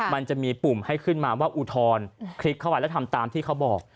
มันจะมีปุ่มให้ขึ้นมาว่าอุทธรณ์คลิกเข้าไปแล้วทำตามที่เขาบอก